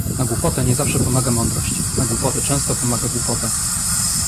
Na głupotę nie zawsze pomaga mądrość. Na głupotę często pomaga głupota.